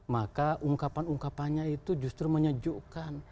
maka ungkapan ungkapannya itu justru menyejukkan